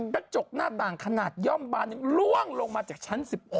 กระจกหน้าต่างขนาดย่อมบานหนึ่งล่วงลงมาจากชั้น๑๑